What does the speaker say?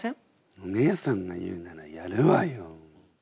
お姉さんが言うならやるわよ。